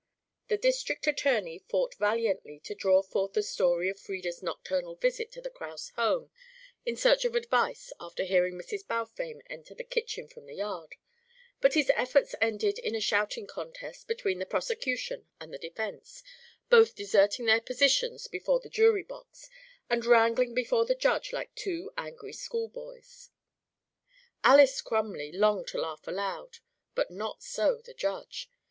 The district attorney fought valiantly to draw forth the story of Frieda's nocturnal visit to the Kraus home in search of advice after hearing Mrs. Balfame enter the kitchen from the yard, but his efforts ended in a shouting contest between the prosecution and the defence, both deserting their positions before the jury box and wrangling before the Judge like two angry school boys. Alys Crumley longed to laugh aloud, but not so the Judge.